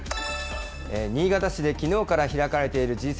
新潟市できのうから開かれているＧ７